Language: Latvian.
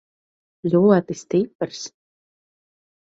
Ļoti stiprs.